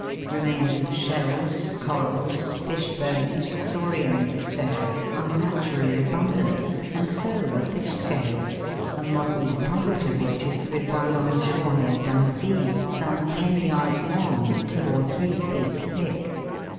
Remains of shells, corals, fish bones, saurians, &c., are naturally abun dant, and so are fish scales, a modern deposit of which is to be found on the shore near Dundee, some ten yards long, and two or three feet thick.